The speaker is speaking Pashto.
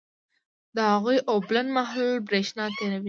د هغوي اوبلن محلول برېښنا تیروي.